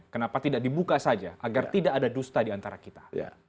kenapa tidak dibuka saja agar tidak ada dusta diantara kita